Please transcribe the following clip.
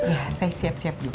ya saya siap siap juga